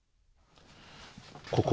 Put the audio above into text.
ここ？